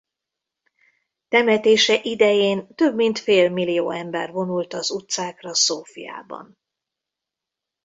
Temetése idején több mint félmillió ember vonult az utcákra Szófiában.